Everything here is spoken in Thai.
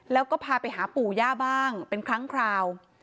แล้วก็พาไปหาปู่ย่าบ้างเป็นครั้งคราว